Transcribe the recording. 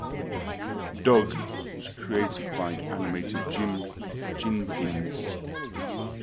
"Doug" was created by animator Jim Jinkins.